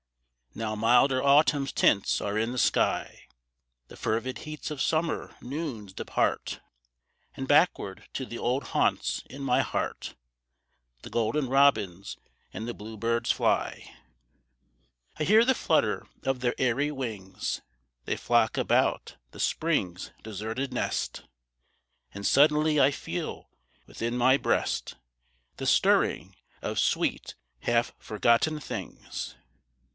Now milder Autumn's tints are in the sky; The fervid heats of summer noons depart; And backward to the old haunts in my heart The golden robins and the blue birds fly. I hear the flutter of their airy wings, They flock about the Spring's deserted nest, And suddenly I feel within my breast The stirring of sweet half forgotten things.